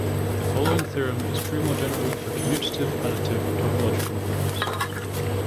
The following theorem is true more generally for commutative additive topological groups.